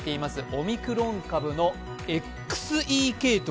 オミクロン株のＸＥ系統。